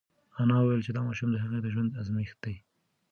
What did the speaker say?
انا وویل چې دا ماشوم د هغې د ژوند ازمېښت دی.